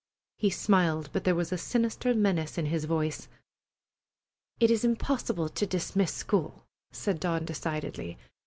He smiled, but there was a sinister menace in his voice. "It is impossible to dismiss school," said Dawn decidedly.